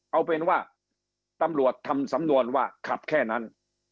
เอาเป็นว่าตำรวจทำสำนวนว่าขับแค่นั้น